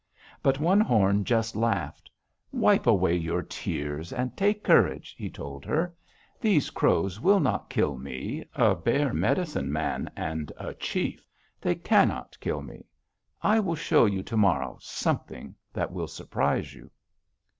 "But One Horn just laughed: 'Wipe away your tears and take courage,' he told her. 'These Crows will not kill me, a bear medicine man, and a chief. They cannot kill me. I will show you to morrow something that will surprise you!'